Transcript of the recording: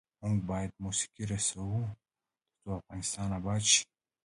موږ باید موسیقي رسوو ، ترڅو افغانستان اباد شي.